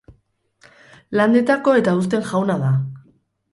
Landetako eta uzten jauna da.